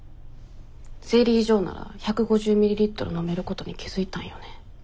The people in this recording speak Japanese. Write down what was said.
ゼリー状なら１５０ミリリットル飲めることに気付いたんよね。